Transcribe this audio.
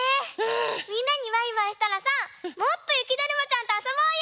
みんなにバイバイしたらさもっとゆきだるまちゃんとあそぼうよ！